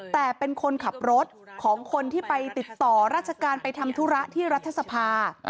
แต่เป็นคนขับรถของคนที่ไปติดต่อราชการไปทำธุระที่รัฐสภา